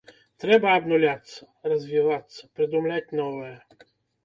Трэба абнуляцца, развівацца, прыдумляць новае.